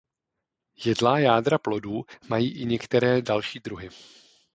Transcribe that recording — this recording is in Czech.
Jedlá jádra plodů mají i některé další druhy.